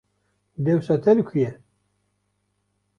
Dewsa te li ku ye?